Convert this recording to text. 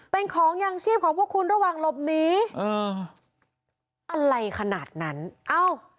เป็นของยางชีพของพวกคุณระหว่างหลบหนีเอออะไรขนาดนั้นเอ้า